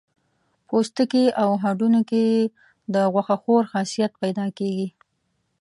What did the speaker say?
پوستکي او هډونو کې یې د غوښه خور خاصیت پیدا کېږي.